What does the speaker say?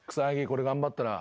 これ頑張ったら。